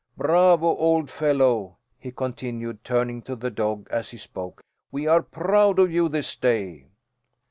Bravo, old fellow!" he continued, turning to the dog as he spoke. "We are proud of you this day!"